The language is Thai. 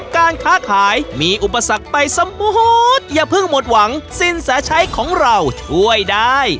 การค้าขายมีอุปสรรคไปสมบูรณ์อย่าเพิ่งหมดหวังสินแสชัยของเราช่วยได้